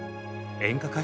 演歌歌手？